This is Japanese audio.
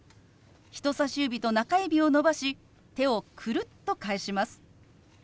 人さし指と中指を伸ばし手をくるっと返します。